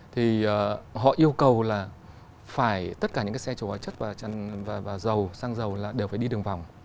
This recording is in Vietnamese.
thì họ yêu cầu là phải tất cả những cái xe trồ hóa chất và dầu xăng dầu là đều phải đi đường vòng